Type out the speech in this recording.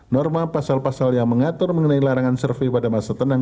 norma pasal pasal yang mengatur mengenai larangan survei pada masa tenang